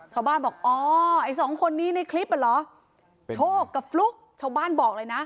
ชาวบ้านบอกอ๋อไอ้สองคนนี้ในคลิปอ่ะเหรอโชคกับฟลุ๊กชาวบ้านบอกเลยนะ